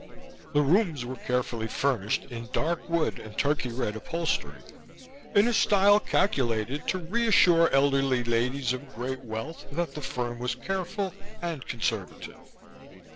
The rooms were carefully furnished in dark wood and turkey red upholstery, in a style calculated to reassure elderly ladies of great wealth that the firm was careful and conservative.